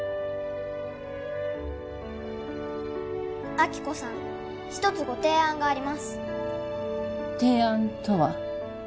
亜希子さん一つご提案があります提案とは？